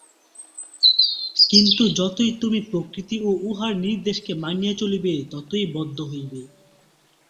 কিন্তু যতই তুমি প্রকৃতি ও উহার নির্দেশকে মানিয়া চলিবে, ততই বদ্ধ হইবে।